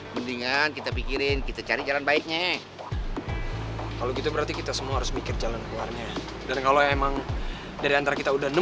mandi mandi mandi